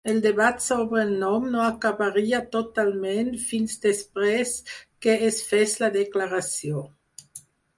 El debat sobre el nom no acabaria totalment fins després que es fes la Declaració.